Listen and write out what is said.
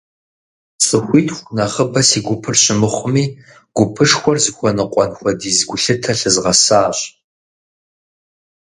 ЦӀыхуитху нэхъыбэ си гупыр щымыхъуми, гупышхуэр зыхуэныкъуэн хуэдиз гулъытэ лъызгъэсащ.